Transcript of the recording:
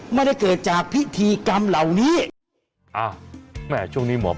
ไม่ได้เกิดจากพิธีกรรมเหล่านี้